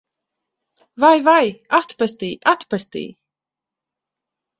Vai, vai! Atpestī! Atpestī!